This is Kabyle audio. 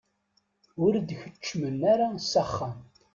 Ur d-keččmen ara s axxam?